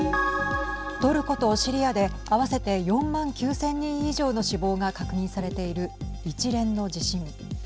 トルコとシリアで合わせて４万９０００人以上の死亡が確認されている一連の地震。